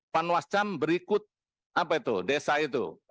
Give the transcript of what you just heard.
panwascam berikut apa itu desa itu